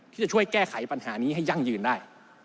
ที่จะช่วยแก้ไขปัญหานี้ให้ยั่งยืนได้